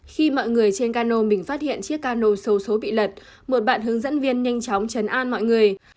khi mọi người trên cano mình phát hiện chiếc cano sâu số bị lật một bạn hướng dẫn viên nhanh chóng chấn an mọi người